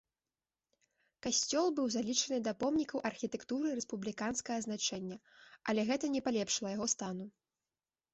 Касцёл быў залічаны да помнікаў архітэктуры рэспубліканскага значэння, але гэта не палепшыла яго стану.